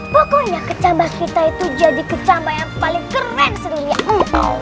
pokoknya kecambah kita itu jadi kecambah yang paling keren sedunia